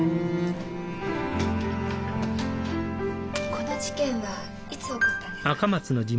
この事件はいつ起こったんですか？